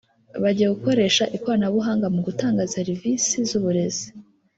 bagiye gukoresha ikoranabuhanga mu gutanga serivisi z’uburezi